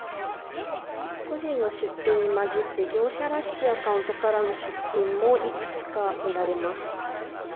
個人の出品に混じって業者らしきアカウントからの出品も幾つか見られます。